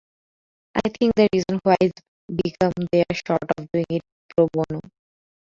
I think the reason why is because they're sort of doing it pro bono.